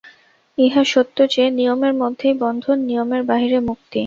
ইহা সত্য যে, নিয়মের মধ্যেই বন্ধন, নিয়মের বাহিরে মুক্তি।